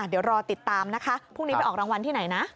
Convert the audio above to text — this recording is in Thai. เดี๋ยวรอติดตามนะคะพรุ่งนี้ไปออกรางวัลที่ไหนนะ